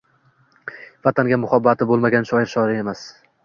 Vatanga muhabbati bo‘lmagan shoir — shoir emas.